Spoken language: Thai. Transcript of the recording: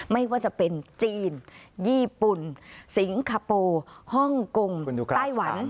ไม่ว่าจะเป็นจีนญี่ปุ่นสิงคโปร์ฮ่องกงไต้หวัน